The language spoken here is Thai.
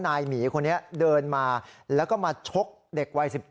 หมีคนนี้เดินมาแล้วก็มาชกเด็กวัย๑๗